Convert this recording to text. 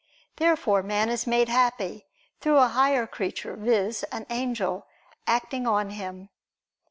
Therefore man is made happy, through a higher creature, viz. an angel, acting on him.